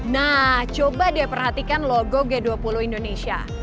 nah coba dia perhatikan logo g dua puluh indonesia